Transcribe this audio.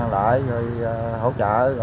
lại rồi hỗ trợ